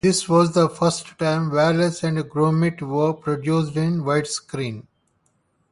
This was the first time Wallace and Gromit were produced in widescreen.